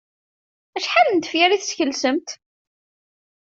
Acḥal n tefyar i teskelsemt?